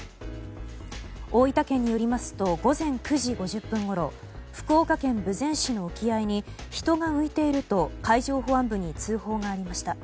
大分県によりますと午前９時５０分ごろ福岡県豊前市の沖合に人が浮いていると海上保安部に通報がありました。